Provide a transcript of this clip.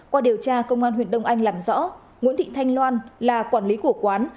qua điều tra công an huyện đông anh làm rõ nguyễn thị thanh loan là quản lý của quán